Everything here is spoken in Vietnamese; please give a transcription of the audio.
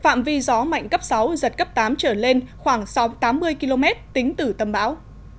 phạm vi gió mạnh cấp sáu giật cấp tám trở lên khoảng sáu tám mươi km tính từ tâm bão